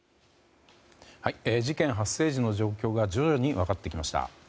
事件発生時の状況が徐々に分かってきました。